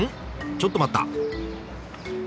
ちょっと待った！